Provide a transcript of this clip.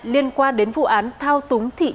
liên quan đến vụ án thao túng thị trường